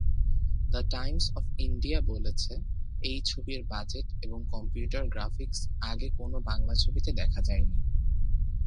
The Times of India বলেছে, এই ছবির বাজেট এবং কম্পিউটার গ্রাফিক্স আগে কোন বাংলা ছবিতে দেখা যায়নি।